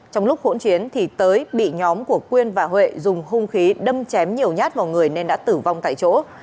trong lúc hỗn chiến thì tới bị nhóm của quyên và huệ dùng hung khí đâm chém nhiều nhát vào người nên đã tử vong tại chỗ